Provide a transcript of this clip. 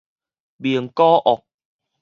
名古屋